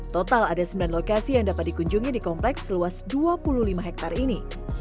total ada sembilan lokasi yang dapat dikunjungi di kompleks seluas dua puluh lima hektare ini